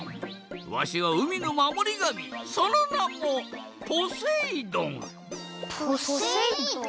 わしはうみのまもりがみそのなもポセイ丼？